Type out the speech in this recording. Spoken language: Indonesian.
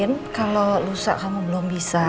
mungkin kalau lusa kamu belum bisa